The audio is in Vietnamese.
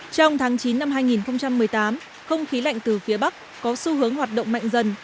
trong tháng chín năm hai nghìn một mươi tám không khí lạnh từ phía bắc có xu hướng hoạt động mạnh dần